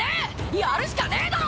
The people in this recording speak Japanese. やるしかねぇだろ！